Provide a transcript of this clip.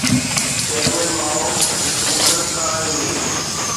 Chairman Mao هڪ مختلف ڪهاڻي هئي.